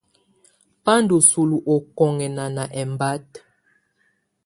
Bá ndù sulu ɔkɔnɛnana ɛmbata.